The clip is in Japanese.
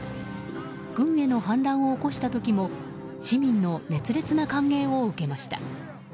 軍への反乱を起こした時も市民の熱烈な歓迎を受けました。